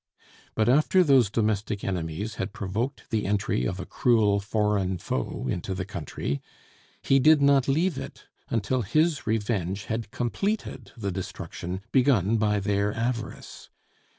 But after those domestic enemies had provoked the entry of a cruel foreign foe into the country, he did not leave it until his revenge had completed the destruction begun by their avarice.